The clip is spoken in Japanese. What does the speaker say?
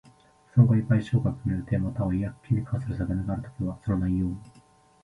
損害賠償額の予定又は違約金に関する定めがあるときは、その内容